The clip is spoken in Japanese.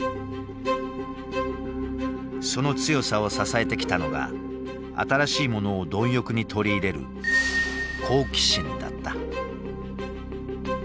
その強さを支えてきたのが新しいものを貪欲に取り入れる「好奇心」だった。